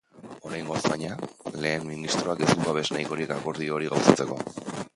Oraingoz, baina, lehen ministroak ez du babes nahikorik akordio hori gauzatzeko.